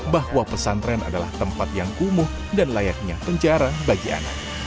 bahwa pesantren adalah tempat yang kumuh dan layaknya penjara bagi anak